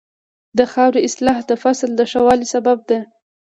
د خاورې اصلاح د فصل د ښه والي سبب ده.